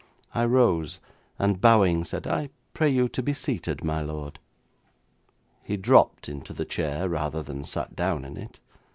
I rose, and bowing, said, 'I pray you to be seated, my lord.' He dropped into the chair, rather than sat down in it.